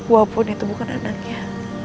walaupun itu bukan anaknya